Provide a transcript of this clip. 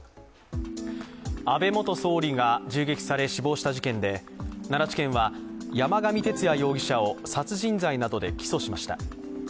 安倍元総理が銃撃され、死亡した事件で、奈良地検は山上徹也容疑者を殺人罪などで起訴しました。